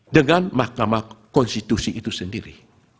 dengan mahkamah konstitusi itu sendiri